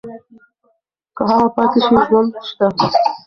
که هغه پاتې شي ژوند شته.